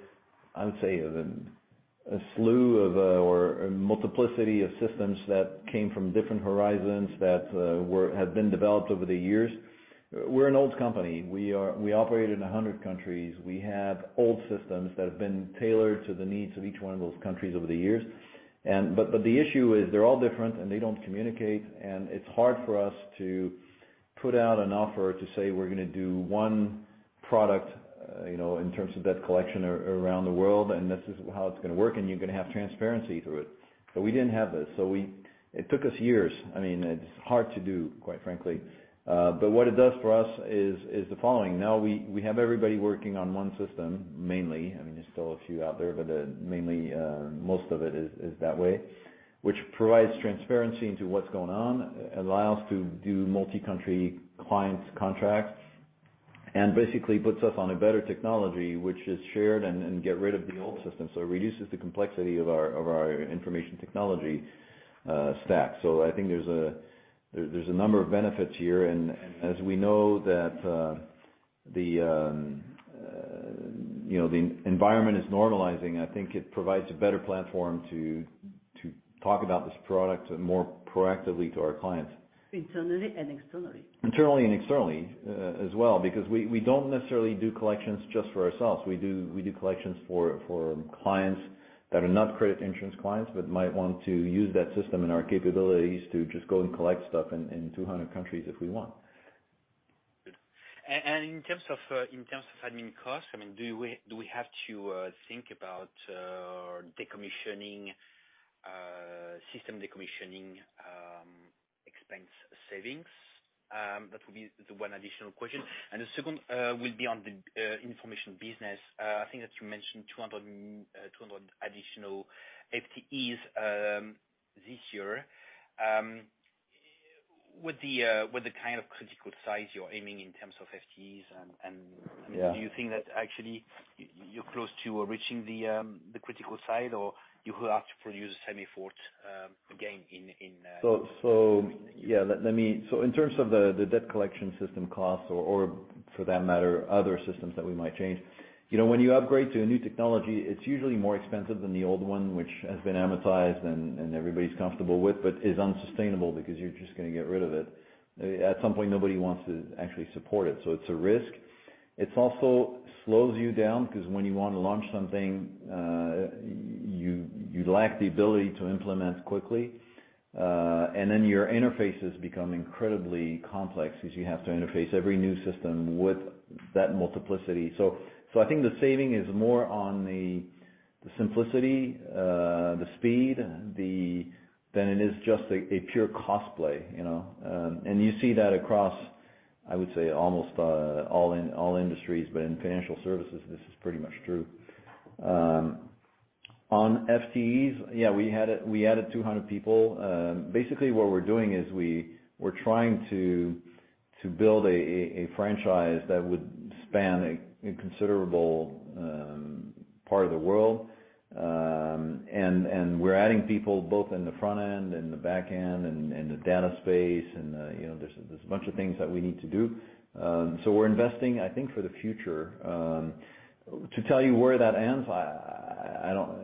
multiplicity of systems that came from different horizons that had been developed over the years. We're an old company. We operate in 100 countries. We have old systems that have been tailored to the needs of each one of those countries over the years. But the issue is they're all different, and they don't communicate. It's hard for us to put out an offer to say we're gonna do one product, you know, in terms of debt collection around the world, and this is how it's gonna work, and you're gonna have transparency through it. We didn't have this. It took us years. I mean, it's hard to do, quite frankly. What it does for us is the following. Now we have everybody working on one system, mainly. I mean, there's still a few out there, but mainly most of it is that way, which provides transparency into what's going on, allows to do multi-country clients contracts, and basically puts us on a better technology, which is shared and get rid of the old system. It reduces the complexity of our information technology stack. I think there's a number of benefits here. As we know that the, you know, the environment is normalizing, I think it provides a better platform to talk about this product more proactively to our clients. Internally and externally. Internally and externally, as well, because we don't necessarily do collections just for ourselves. We do collections for clients that are not credit insurance clients, but might want to use that system and our capabilities to just go and collect stuff in 200 countries if we want. In terms of admin costs, I mean, do we have to think about decommissioning, system decommissioning, expense savings? That would be the one additional question. The second will be on the information business. I think that you mentioned 200 additional FTEs this year. What the kind of critical size you're aiming in terms of FTEs and? Yeah. Do you think that actually you're close to reaching the critical side or you will have to produce same effort again in? Yeah. In terms of the debt collection system costs or for that matter, other systems that we might change. You know, when you upgrade to a new technology, it's usually more expensive than the old one, which has been amortized and everybody's comfortable with, but is unsustainable because you're just gonna get rid of it. At some point, nobody wants to actually support it, so it's a risk. It also slows you down, 'cause when you wanna launch something, you lack the ability to implement quickly. Then your interfaces become incredibly complex as you have to interface every new system with that multiplicity. I think the saving is more on the simplicity, the speed, than it is just a pure cost play, you know. You see that across, I would say almost, all industries, but in financial services, this is pretty much true. On FTEs, yeah, we added 200 people. Basically, what we're doing is we're trying to build a, a franchise that would span a considerable, part of the world. We're adding people both in the front end and the back end and the data space. You know, there's a, there's a bunch of things that we need to do. We're investing, I think, for the future. To tell you where that ends, I don't,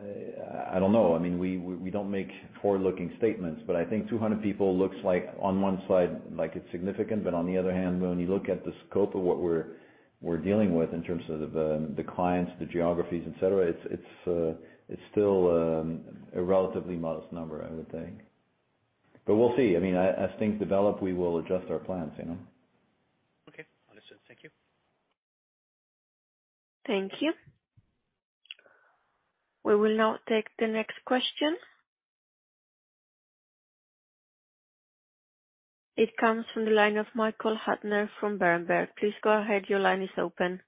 I don't know. I mean, we don't make forward-looking statements, but I think 200 people looks like on one side, like it's significant. On the other hand, when you look at the scope of what we're dealing with in terms of the clients, the geographies, et cetera, it's still a relatively modest number, I would think. We'll see. I mean, as things develop, we will adjust our plans, you know. Okay. Understood. Thank you. Thank you. We will now take the next question. It comes from the line of Michael Huttner from Berenberg. Please go ahead. Your line is open.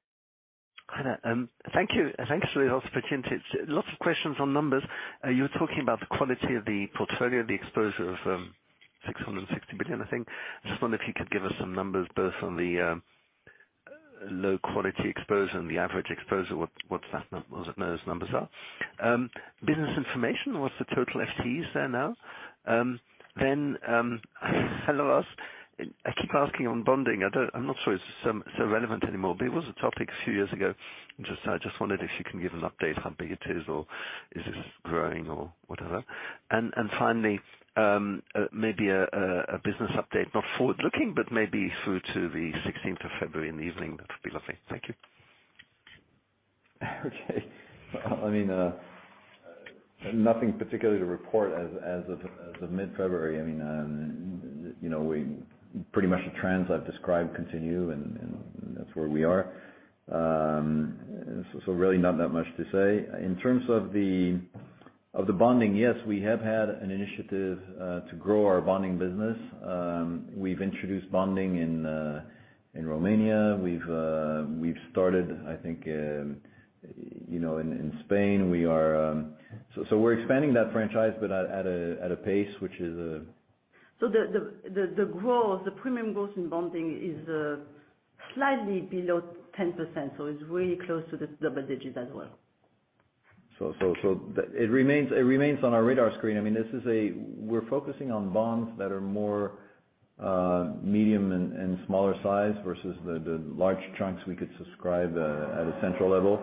Hi there. Thank you. Thanks for the opportunity. Lots of questions on numbers. You're talking about the quality of the portfolio, the exposure of 660 billion, I think. I just wonder if you could give us some numbers both on the low quality exposure and the average exposure. What those numbers are. Business information, what's the total FTEs there now? I keep asking on bonding. I'm not sure it's so relevant anymore, but it was a topic a few years ago. I just wondered if you can give an update, how big it is or is it growing or whatever. Finally, maybe a business update, not forward looking, but maybe through to the 16th of February in the evening, that would be lovely. Thank you. Okay. I mean, nothing particularly to report as of, as of mid-February. I mean, you know, we pretty much the trends I've described continue and that's where we are. Really not that much to say. In terms of the, of the bonding, yes, we have had an initiative to grow our bonding business. We've introduced bonding in Romania. We've started, I think, you know, in Spain. We're expanding that franchise, but at a pace which is... The premium growth in bonding is slightly below 10%, so it's really close to the double-digits as well. It remains on our radar screen. I mean, this is. We're focusing on bonds that are more medium and smaller size versus the large chunks we could subscribe at a central level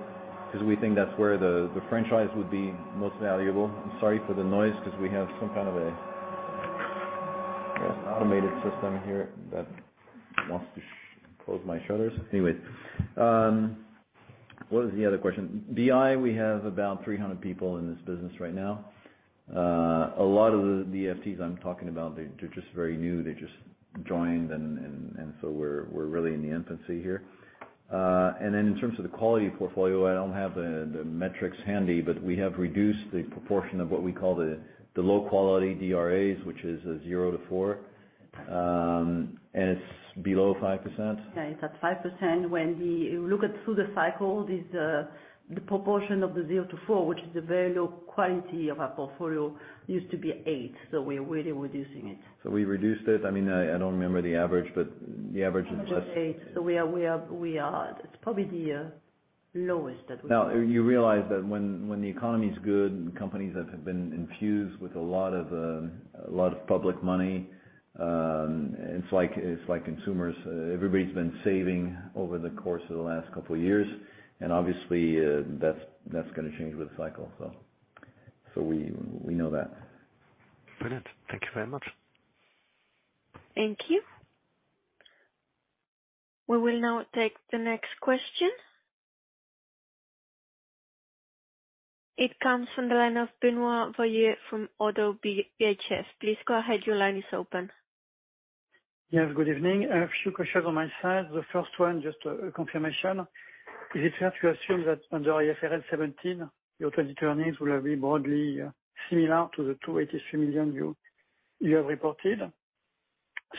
'cause we think that's where the franchise would be most valuable. I'm sorry for the noise 'cause we have some kind of a automated system here that wants to close my shutters. What was the other question? BI, we have about 300 people in this business right now. A lot of the FTEs I'm talking about, they're just very new. They just joined and so we're really in the infancy here. Then in terms of the quality portfolio, I don't have the metrics handy, but we have reduced the proportion of what we call the low-quality DRAs, which is a zero to four, and it's below 5%. Yeah, it's at 5%. When we look at through the cycle, this, the proportion of the zero-four, which is a very low quality of our portfolio, used to be eight, so we're really reducing it. We reduced it. I mean, I don't remember the average, but the average is less. It was eight. We are. It's probably the lowest that we've- You realize that when the economy is good and companies that have been infused with a lot of, a lot of public money, it's like consumers. Everybody's been saving over the course of the last couple of years, and obviously, that's gonna change with cycle. We know that. Brilliant. Thank you very much. Thank you. We will now take the next question. It comes from the line of Benoit Valleaux from Oddo BHF. Please go ahead. Your line is open. Yes, good evening. I have a few questions on my side. The first one, just a confirmation. Is it fair to assume that under IFRS 17, your trade earnings will be broadly similar to the 283 million you have reported?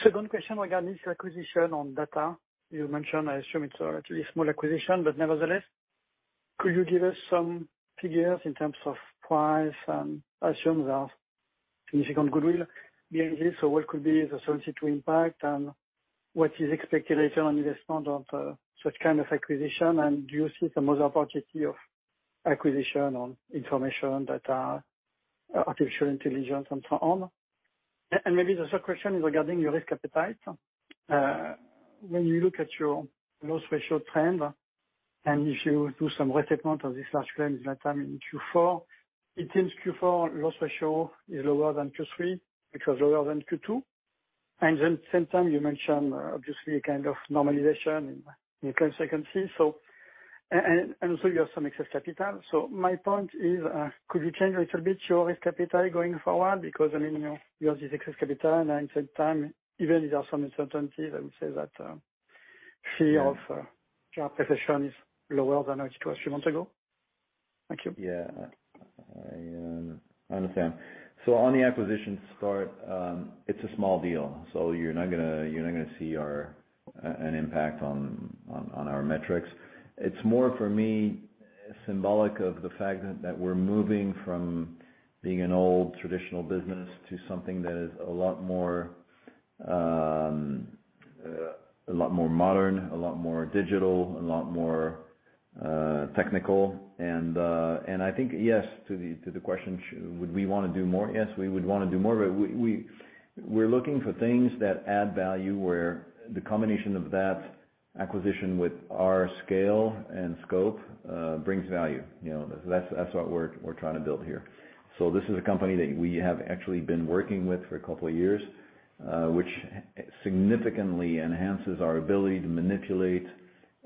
Second question regarding the acquisition on data you mentioned. I assume it's a relatively small acquisition, but nevertheless, could you give us some figures in terms of price and assumptions of significant goodwill behind this? What could be the sensitivity impact and what is expected later on investment of such kind of acquisition? Do you see some other opportunity of acquisition on information, data, artificial intelligence, and so on? Maybe the third question is regarding your risk appetite. When you look at your loss ratio trend, if you do some restatement of this large claim that time in Q4, it seems Q4 loss ratio is lower than Q3, which was lower than Q2. Same time, you mentioned obviously a kind of normalization in your claim frequency. You have some excess capital. My point is, could you change a little bit your risk appetite going forward? Because, I mean, you know, you have this excess capital and at the same time, even if there are some uncertainty, I would say that see of job position is lower than it was a few months ago. Thank you. Yeah, I understand. On the acquisition start, it's a small deal, so you're not gonna, you're not gonna see an impact on our metrics. It's more, for me, symbolic of the fact that we're moving from being an old traditional business to something that is a lot more modern, a lot more digital, a lot more technical. I think, yes, to the question, would we wanna do more? Yes, we would wanna do more, but we're looking for things that add value, where the combination of that acquisition with our scale and scope brings value. You know, that's what we're trying to build here. This is a company that we have actually been working with for a couple of years, which significantly enhances our ability to manipulate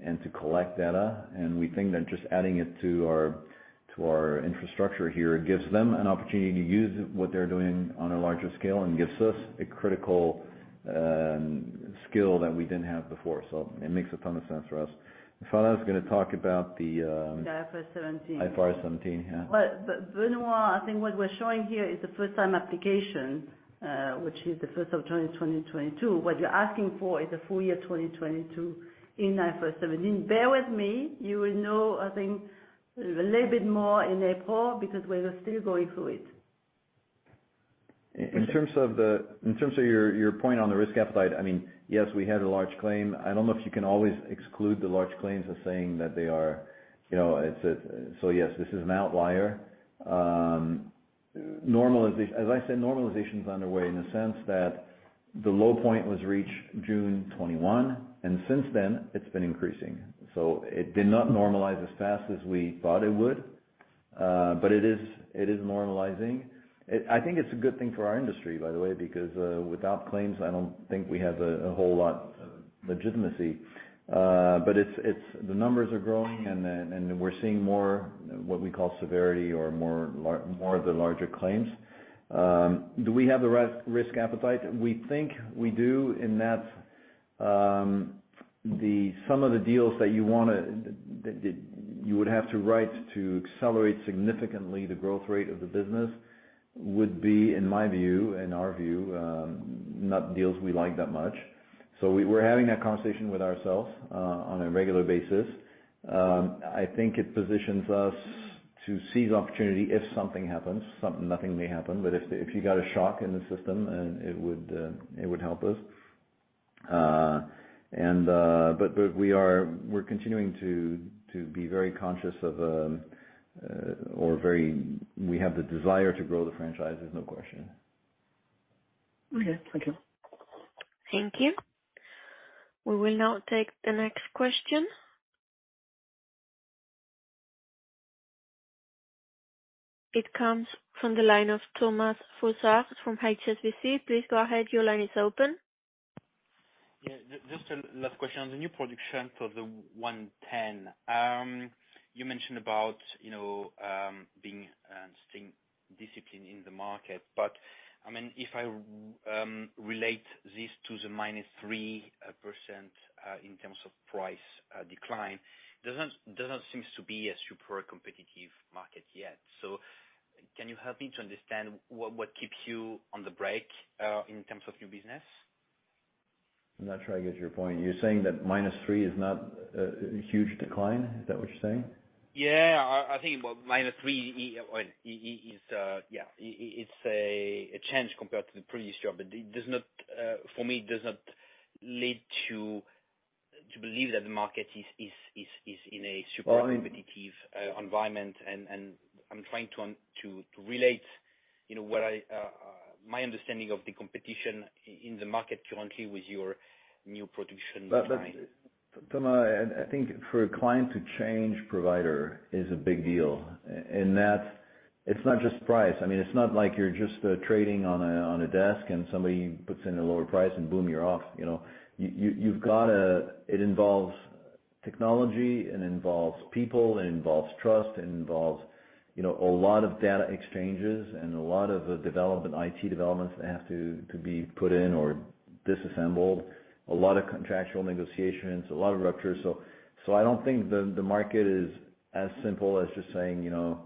and to collect data. We think that just adding it to our, to our infrastructure here gives them an opportunity to use what they're doing on a larger scale and gives us a critical skill that we didn't have before. It makes a ton of sense for us. Phalla is gonna talk about the. The IFRS 17. IFRS 17, yeah. Benoit, I think what we're showing here is the first time application, which is the January 1st, 2022. What you're asking for is the full year 2022 in IFRS 17. Bear with me. You will know, I think, a little bit more in April, because we are still going through it. In terms of your point on the risk appetite, I mean, yes, we had a large claim. I don't know if you can always exclude the large claims as saying that they are, you know. Yes, this is an outlier. As I said, normalization is underway in the sense that the low point was reached June 2021, and since then it's been increasing. It did not normalize as fast as we thought it would. It is, it is normalizing. I think it's a good thing for our industry, by the way, because without claims, I don't think we have a whole lot legitimacy. The numbers are growing and we're seeing more what we call severity or more of the larger claims. Do we have the risk appetite? We think we do in that, Some of the deals that you wanna that you would have to write to accelerate significantly the growth rate of the business would be, in my view, in our view, not deals we like that much. We're having that conversation with ourselves on a regular basis. I think it positions us to seize opportunity if something happens. Nothing may happen, but if you got a shock in the system then it would help us. but we are, we're continuing to be very conscious of, or very. We have the desire to grow the franchise, there's no question. Okay, thank you. Thank you. We will now take the next question. It comes from the line of Thomas Fossard from HSBC. Please go ahead. Your line is open. Yeah. Just a last question on the new production for the one ten. You mentioned about, you know, being staying disciplined in the market, I mean, if I relate this to the minus 3% in terms of price decline, doesn't seems to be a super competitive market yet. Can you help me to understand what keeps you on the break in terms of new business? I'm not sure I get your point. You're saying that -3 is not a huge decline? Is that what you're saying? Yeah. I think -3 is, yeah, it's a change compared to the previous year. It does not, for me, it does not lead to believe that the market is in a super competitive environment. I'm trying to relate, you know, what I, my understanding of the competition in the market currently with your new production line. That's Thomas, I think for a client to change provider is a big deal. It's not just price. I mean, it's not like you're just trading on a desk and somebody puts in a lower price and boom, you're off, you know? It involves technology, it involves people, it involves trust, it involves, you know, a lot of data exchanges and a lot of development, IT developments that have to be put in or disassembled. A lot of contractual negotiations, a lot of ruptures. I don't think the market is as simple as just saying, you know,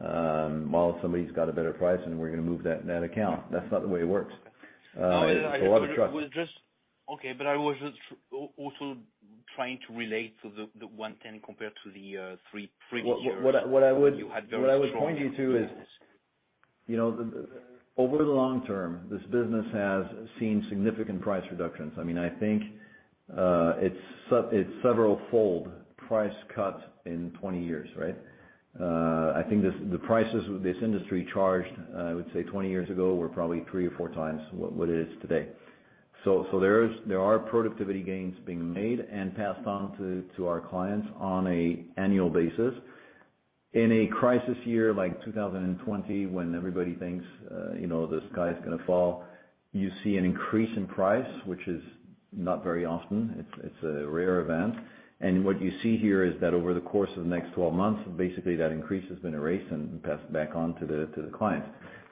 well, somebody's got a better price, and we're gonna move that account. That's not the way it works. It's a lot of trust. Okay. I was also trying to relate to the 110 compared to the three previous years. What I would. You had very strong What I would point you to is, you know, the, over the long-term, this business has seen significant price reductions. I mean, I think it's severalfold price cuts in 20 years, right? I think the prices this industry charged, I would say 20 years ago, were probably three or four times what it is today. So there's, there are productivity gains being made and passed on to our clients on an annual basis. In a crisis year like 2020 when everybody thinks, you know, the sky is gonna fall, you see an increase in price, which is not very often. It's a rare event. What you see here is that over the course of the next 12 months, basically that increase has been erased and passed back on to the clients.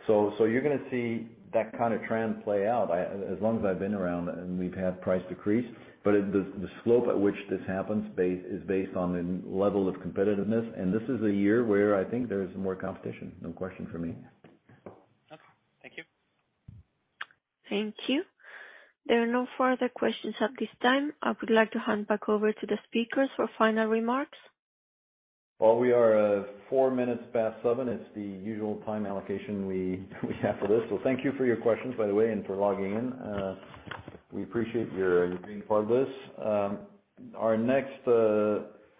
You're gonna see that kinda trend play out. As long as I've been around and we've had price decrease, but at the slope at which this happens is based on the level of competitiveness, and this is a year where I think there's more competition, no question for me. Okay. Thank you. Thank you. There are no further questions at this time. I would like to hand back over to the speakers for final remarks. Well, we are four minutes past seven. It's the usual time allocation we have for this. Thank you for your questions, by the way, and for logging in. We appreciate you being part of this. Our next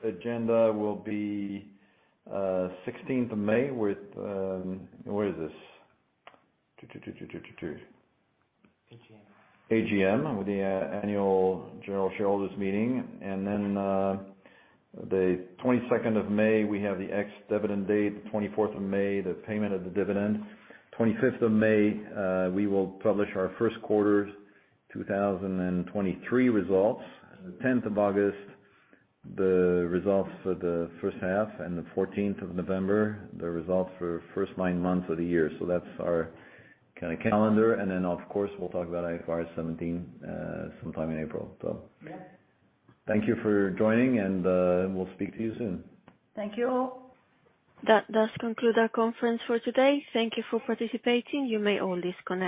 agenda will be 16th of May with... What is this? Tu, tu, tu. AGM. AGM, with the annual general shareholders meeting. The 22nd of May, we have the ex-dividend date, the May 24th, the payment of the dividend. Of May 25th, we will publish our first quarter's 2023 results. The 10th of August, the results for the first half, and the November 14th, the results for first nine months of the year. That's our kinda calendar. Of course, we'll talk about IFRS 17, sometime in April. Yes. Thank you for joining, and, we'll speak to you soon. Thank you all. That does conclude our conference for today. Thank you for participating. You may all disconnect.